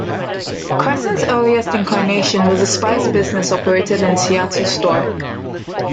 Crescent's earliest incarnation was a spice business operated in a Seattle store.